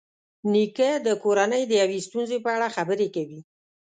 نیکه د کورنۍ د یوې ستونزې په اړه خبرې کوي.